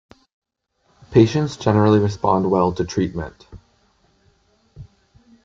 Patients generally respond well to treatment.